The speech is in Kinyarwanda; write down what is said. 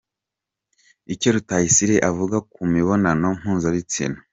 Icyo Rutayisire avuga ku mibonano mpuzabitsina.